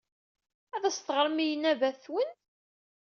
Ad as-teɣrem i yanbaba-twen.